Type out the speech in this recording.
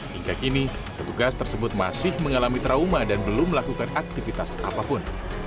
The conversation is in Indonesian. hingga kini petugas tersebut masih mengalami trauma dan belum melakukan aktivitas apapun